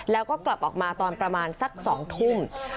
แล้วก็กลับออกมาตอนประมาณสัก๒ทุ่ม